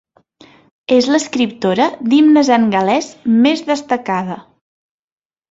És l'escriptora d'himnes en gal·lès més destacada.